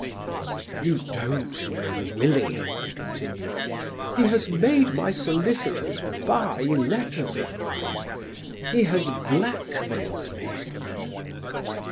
"You don't know Willie," he continued, "he has made my solicitors buy letters of mine; he has blackmailed me."